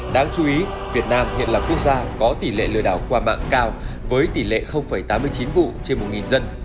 đáng chú ý việt nam hiện là quốc gia có tỷ lệ lừa đảo qua mạng cao với tỷ lệ tám mươi chín vụ trên một dân